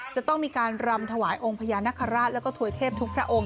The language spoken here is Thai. จะต้องมีการรำถวายองค์พญานคราชแล้วก็ถวยเทพทุกพระองค์